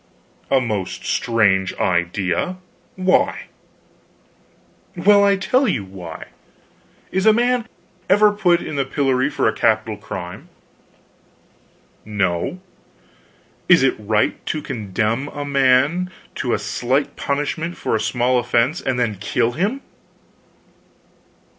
"A most strange idea. Why?" "Well, I'll tell you why. Is a man ever put in the pillory for a capital crime?" "No." "Is it right to condemn a man to a slight punishment for a small offense and then kill him?"